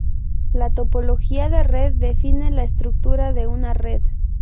La topología de red define la estructura de una red.